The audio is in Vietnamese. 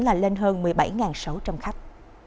là lên hơn một mươi bảy sáu trăm linh khách